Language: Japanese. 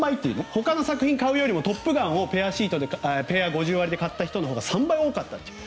ほかの作品を買うより「トップガン」をペア５０割で買う人が３倍多かったという。